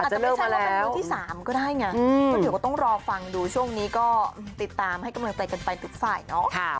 อาจจะไม่ใช่ว่าเป็นมือที่๓ก็ได้ไงก็เดี๋ยวก็ต้องรอฟังดูช่วงนี้ก็ติดตามให้กำลังใจกันไปทุกฝ่ายเนาะ